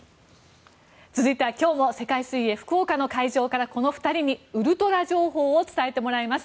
続いては今日も世界水泳福岡の会場からこの２人にウルトラ情報を伝えてもらいます。